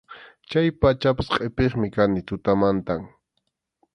Chay pachapas qʼipiqmi kani tutamantam.